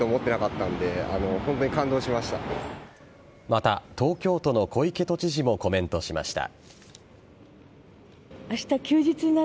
また、東京都の小池都知事もコメントしました。